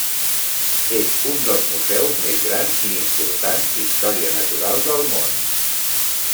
És un dels museus més grans i importants d'història natural del món.